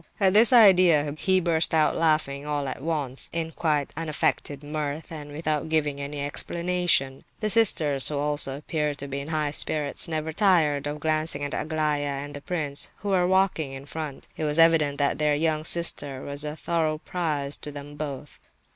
At this idea, he burst out laughing all at once, in quite unaffected mirth, and without giving any explanation. The sisters, who also appeared to be in high spirits, never tired of glancing at Aglaya and the prince, who were walking in front. It was evident that their younger sister was a thorough puzzle to them both.